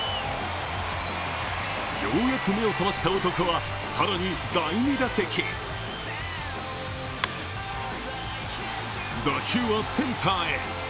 ようやく目を覚ました男は更に第２打席打球はセンターへ。